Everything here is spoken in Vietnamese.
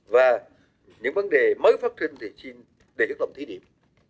và những vấn đề mới phát trình thì để được tổng thí điểm